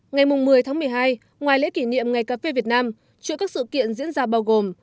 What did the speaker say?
ngày một mươi tháng một mươi hai ngoài lễ kỷ niệm ngày cà phê việt nam chuỗi các sự kiện diễn ra bao gồm